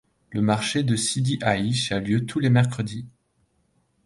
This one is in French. Le marché de Sidi Aïch a lieu tous les mercredi.